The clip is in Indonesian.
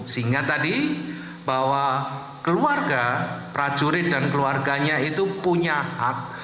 sehingga tadi bahwa keluarga prajurit dan keluarganya itu punya hak